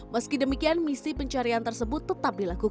meski demikian misi pencarian tersebut tetap dilakukan